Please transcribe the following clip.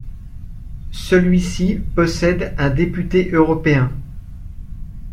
Celui-ci possède un député européen.